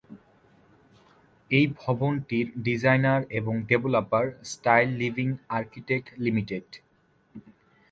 এই ভবনটির ডিজাইনার এবং developer style living architect limited.